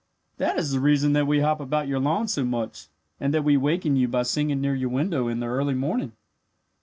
That is the reason that we hop about your lawn so much and that we waken you by singing near your window in the early morning."